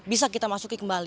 bisa kita masuki kembali